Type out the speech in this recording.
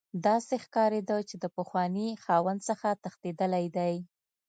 داسې ښکاریده چې د پخواني خاوند څخه تښتیدلی دی